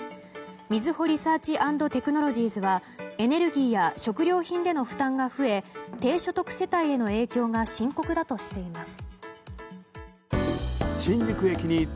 みずほリサーチ＆テクノロジーズはエネルギーや食料品での負担が増え低所得世帯への影響が深刻だとしています。